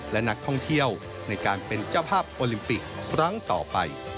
และนักท่องเที่ยวในการเป็นเจ้าภาพโอลิมปิกครั้งต่อไป